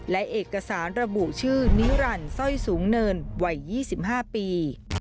และเอกสารระบุชื่อนิรันดิ์สร้อยสูงเนินวัย๒๕ปี